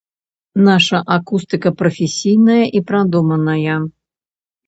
Наша акустыка прафесійная і прадуманая.